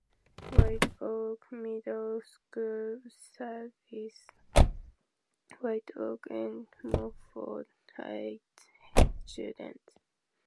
White Oak Middle School serves White Oak and Monfort Heights students.